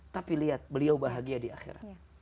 tapi lihat beliau bahagia di akhirat